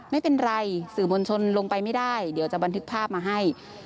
ไม่เป็นไรสื่อมวลชนลงไปไม่ได้เดี๋ยวจะบันทึกภาพมาให้